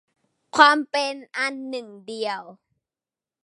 ความเป็นอันหนึ่งอันเดียว